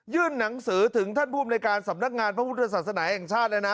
หนังสือถึงท่านภูมิในการสำนักงานพระพุทธศาสนาแห่งชาติเลยนะ